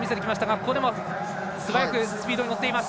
ここでも素早くスピードに乗っています。